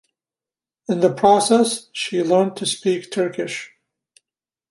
In the process, she learned to speak Turkish.